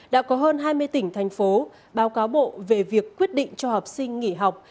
đã có hơn hai mươi tỉnh thành phố báo cáo bộ về việc quyết định cho học sinh nghỉ học